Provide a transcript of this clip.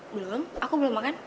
belum aku belum makan